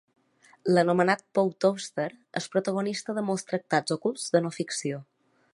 L'anomenat Poe Toaster és protagonista de molts tractats ocults de no ficció.